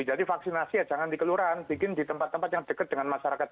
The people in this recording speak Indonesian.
jadi vaksinasi ya jangan di kelurahan bikin di tempat tempat yang dekat dengan masyarakat